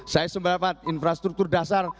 saya seberapa infrastruktur dasar